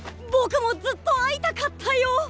ボクもずっと会いたかったよ。